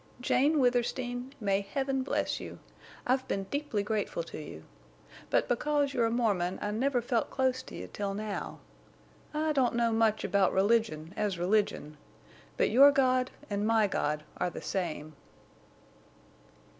"Jane Withersteen, may Heaven bless you! I've been deeply grateful to you. But because you're a Mormon I never felt close to you till now. I don't know much about religion as religion, but your God and my God are the same."